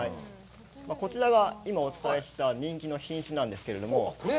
こちらが今お伝えした人気の品種なんですけど。